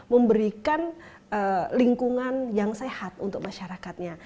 memberikan lingkungan yang sehat untuk masyarakatnya